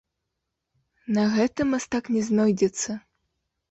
На гэта мастак не знойдзецца.